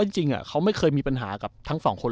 จริงเขาไม่เคยมีปัญหากับทั้งสองคน